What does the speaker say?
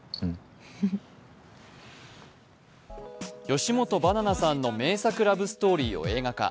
吉本ばななさんの名作ラブストーリーを映画化。